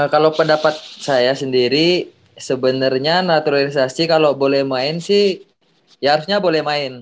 kalo pendapat saya sendiri sebenernya naturalisasi kalo boleh main sih ya harusnya boleh main